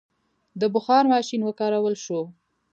د بخار ماشین وکارول شو.